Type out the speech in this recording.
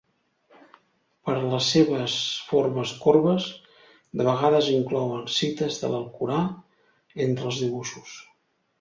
Per les seves formes corbes, de vegades inclouen cites de l'Alcorà entre els dibuixos.